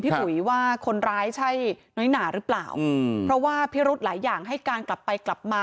เพราะว่าพิรุษหลายอย่างให้การกลับไปกลับมา